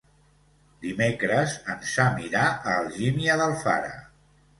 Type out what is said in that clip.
Dimecres en Sam irà a Algímia d'Alfara.